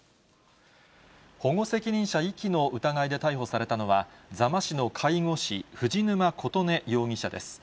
保護責任者遺棄の疑いで逮捕されたのは、座間市の介護士、藤沼琴音容疑者です。